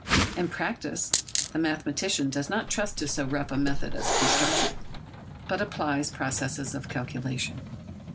In practice, the mathematician does not trust to so rough a method as construction, but applies processes of calculation.